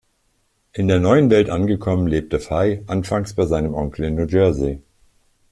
In der Neuen Welt angekommen, lebte Fey anfangs bei seinem Onkel in New Jersey.